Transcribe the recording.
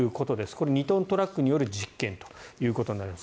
これ、２トントラックによる実験となります。